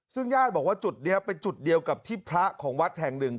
ซึ่งญาติบอกว่าจุดนี้เป็นจุดเดียวกับที่พระของวัดแห่งหนึ่ง